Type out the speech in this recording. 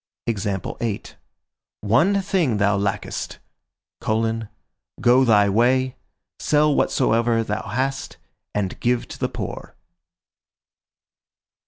One thing thou lackest: go thy way, sell whatsoever thou hast, and give to the poor.